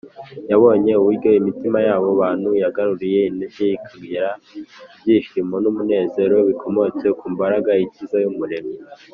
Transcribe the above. yabonye uburyo imitima y’abo bantu yagaruye intege, ikagira ibyishimo n’umunezero bikomotse ku mbaraga ikiza y’umuremyi